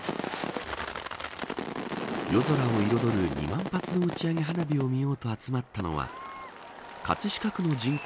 夜空を彩る２万発の打ち上げ花火を見ようと集まったのは葛飾区の人口